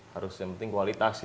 harusnya yang penting kualitas